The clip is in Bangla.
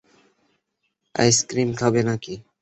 আইসক্রিম খাবে নাকি?